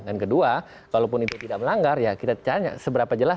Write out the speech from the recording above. dan kedua kalaupun itu tidak melanggar ya kita tanya seberapa jelas